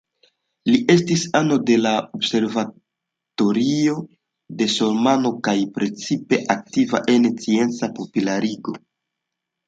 Li estis ano de la Observatorio de Sormano kaj precipe aktiva en scienca popularigo.